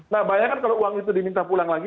nah bayangkan kalau uang itu diminta pulang lagi